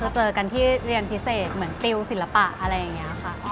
เจอกันที่เรียนพิเศษเหมือนติวศิลปะอะไรอย่างนี้ค่ะ